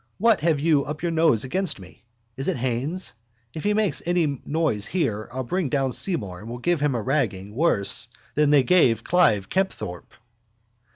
What have you up your nose against me? Is it Haines? If he makes any noise here I'll bring down Seymour and we'll give him a ragging worse than they gave Clive Kempthorpe.